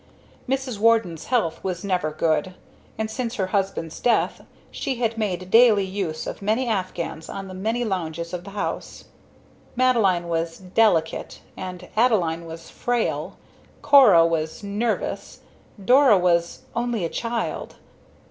Mrs. Warden's health was never good, and since her husband's death she had made daily use of many afghans on the many lounges of the house. Madeline was "delicate," and Adeline was "frail"; Cora was "nervous," Dora was "only a child."